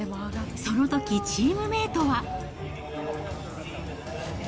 そのとき、チームメートは。